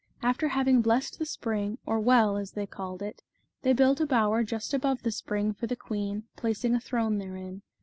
After having blessed the spring, or "well", as they called it, they built a bower just above the spring for the queen, placing a throne therein.